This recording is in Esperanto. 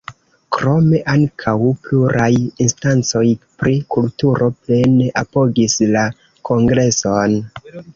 Krome, ankaŭ pluraj instancoj pri kulturo plene apogis la Kongreson.